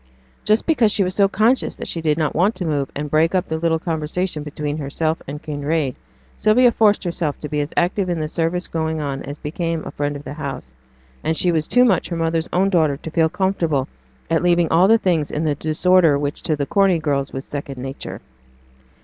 Just because she was so conscious that she did not want to move, and break up the little conversation between herself and Kinraid, Sylvia forced herself to be as active in the service going on as became a friend of the house; and she was too much her mother's own daughter to feel comfortable at leaving all the things in the disorder which to the Corney girls was second nature.